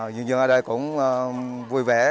dân dân ở đây cũng vui vẻ